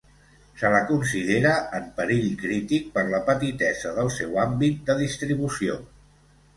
Se la considera en perill crític per la petitesa del seu àmbit de distribució.